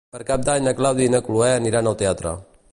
Per Cap d'Any na Clàudia i na Cloè aniran al teatre.